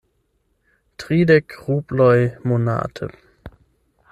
Tridek rubloj monate.